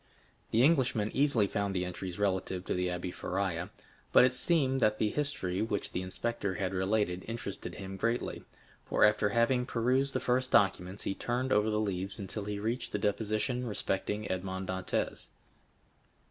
The Englishman easily found the entries relative to the Abbé Faria; but it seemed that the history which the inspector had related interested him greatly, for after having perused the first documents he turned over the leaves until he reached the deposition respecting Edmond Dantès.